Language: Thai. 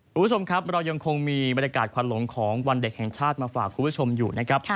คุณผู้ชมครับเรายังคงมีบรรยากาศควันหลงของวันเด็กแห่งชาติมาฝากคุณผู้ชมอยู่นะครับ